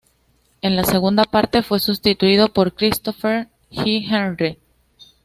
En la segunda parte, fue sustituido por Christopher G. Henry.